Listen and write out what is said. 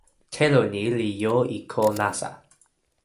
telo ni li jo e ko nasa.